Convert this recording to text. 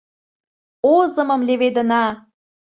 Озымым леведына!